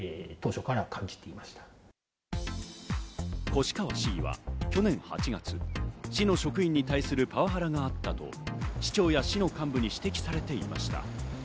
越川市議は去年８月、市の職員に対するパワハラがあったと、市長や市の幹部に指摘されていました。